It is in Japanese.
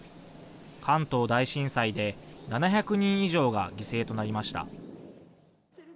関東大震災で７００人以上が犠牲となりました。